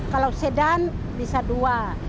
kalau sedan bisa dua